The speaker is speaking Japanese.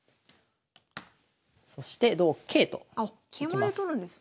そして同桂といきます。